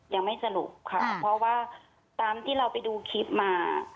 ยังไม่สรุปค่ะเพราะว่าตามที่เราไปดูคลิปมา